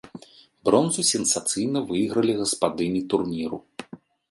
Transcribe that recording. Бронзу сенсацыйна выйгралі гаспадыні турніру.